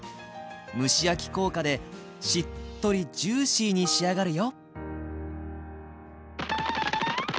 蒸し焼き効果でしっとりジューシーに仕上がるよ